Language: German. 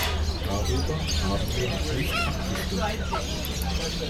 Darüber haben wir noch nicht abgestimmt.